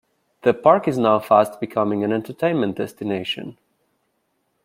The park is now fast becoming an entertainment destination.